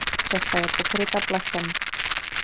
Střecha je pokryta plechem.